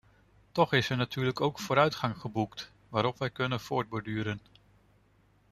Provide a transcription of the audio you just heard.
Toch is er natuurlijk ook vooruitgang geboekt waarop wij kunnen voortborduren.